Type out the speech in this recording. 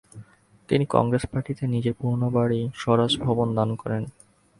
তিনি কংগ্রেস পার্টিতে নিজের পুরনো বাড়ি স্বরাজ ভবন দান করেন।